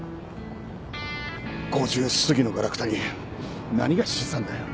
５０すぎのがらくたに何が資産だよ。